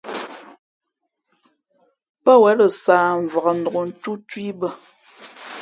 Pά wěn lα sāh mvǎk nǒktú tú i bᾱ.